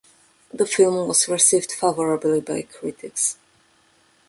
The film was received favorably by critics.